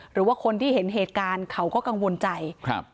หรือว่าคนที่เห็นเหตุการณ์เขาก็กังวลใจครับ